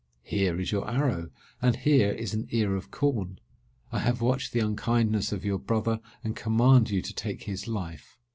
Here is your arrow, and here is an ear of corn. I have watched the unkindness of your brother, and command you to take his life.